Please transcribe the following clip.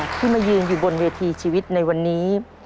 ที่มายืนอยู่บนเวทีชีวิตในวันนี้